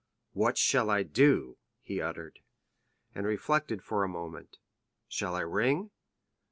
"What shall I do!" he uttered, and reflected for a moment; "shall I ring?